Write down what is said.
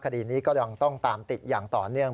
คดีนี้ก็ยังต้องตามติดอย่างต่อเนื่อง